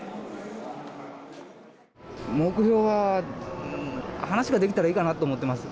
目標は話ができたらいいかなと思ってます。